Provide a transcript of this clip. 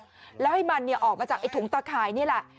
ไปช่วยตัดเชือกออกและให้มันออกมาจากถุงตะขายนี่แหละ